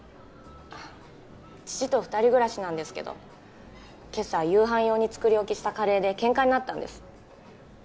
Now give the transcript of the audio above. あっ父と二人暮らしなんですけど今朝夕飯用に作り置きしたカレーでケンカになったんです